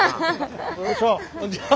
こんにちは。